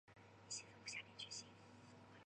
公司以参与罪恶装备系列而知名。